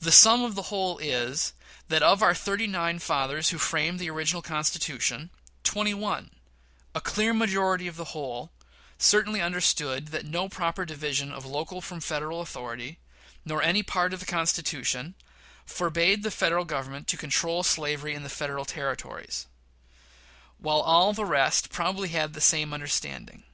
The sum of the whole is, that of our thirty nine fathers who framed the original Constitution, twenty one a clear majority of the whole certainly understood that no proper division of local from Federal authority, nor any part of the Constitution, forbade the Federal Government to control slavery in the Federal Territories; whilst all the rest probably had the same understanding.